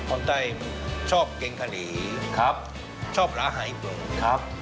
คนไทยชอบแกงกะรีชอบร้านอาหารญี่ปุ่น